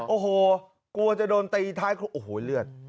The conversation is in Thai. โอ้โหกลัวจะโดนตีท้ายโอ้โหเลือด